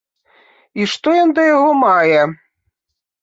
І што ён да яго мае?